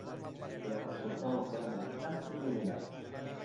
Los resultados fueron bastante irregulares.